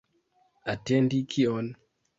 Atendi kion?